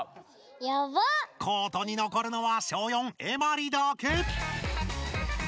コートに残るのは小４エマリだけ！